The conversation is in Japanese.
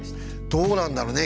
どうなんだろね？